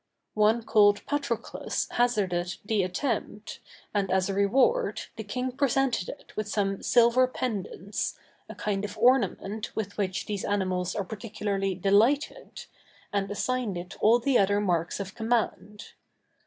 One called Patroclus hazarded the attempt, and as a reward, the king presented it with some silver pendants, a kind of ornament with which these animals are particularly delighted, and assigned it all the other marks of command.